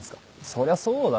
そりゃそうだろ。